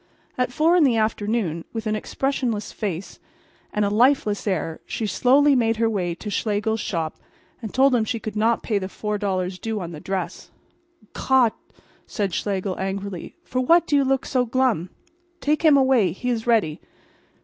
At four in the afternoon, with an expressionless face and a lifeless air she slowly made her way to Schlegel's shop and told him she could not pay the $4 due on the dress. "Gott!" cried Schlegel, angrily. "For what do you look so glum? Take him away. He is ready.